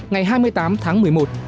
ngày hai mươi tám tháng một mươi một